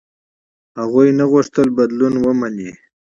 هغوی نه غوښتل بدلون ومني.